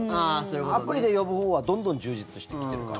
アプリで呼ぶほうはどんどん充実してきてるから。